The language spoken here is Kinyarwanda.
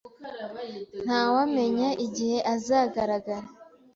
Ntawamenya igihe azagaragara